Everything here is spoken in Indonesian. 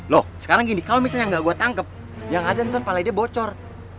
loh sekarang gini kalo misalnya gak gue tangkep yang ada ntar pala dia bocor